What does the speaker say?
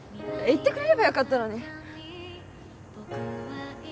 言ってくれればよかったのに。